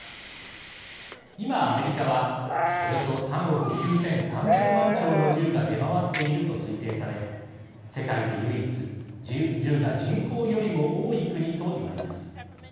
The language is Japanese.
今、アメリカはおよそ３億９３００万丁の銃が出回っていると推定され世界で唯一銃が人口よりも多い国と言われます。